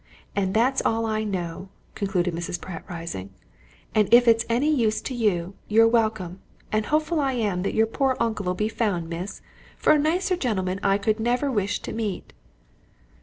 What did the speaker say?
And that's all I know," concluded Mrs. Pratt, rising, "and if it's any use to you, you're welcome, and hopeful I am that your poor uncle'll be found, Miss, for a nicer gentleman I could never wish to meet!"